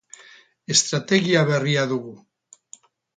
Estrategia berria dugu.